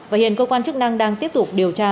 và hiện cơ quan chức năng đang tiếp tục điều tra